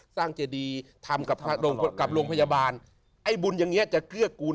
เจดีทำกับโรงพยาบาลไอ้บุญอย่างเงี้จะเกื้อกูล